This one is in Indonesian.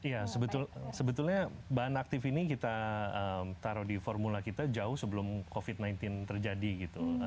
iya sebetulnya bahan aktif ini kita taruh di formula kita jauh sebelum covid sembilan belas terjadi gitu